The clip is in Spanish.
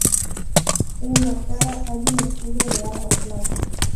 En la cara hay un escudo de armas blanco.